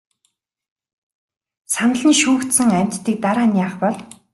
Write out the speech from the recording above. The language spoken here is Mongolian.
Санал нь шүүгдсэн амьтдыг дараа нь яах бол?